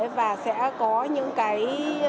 và sẽ có những cái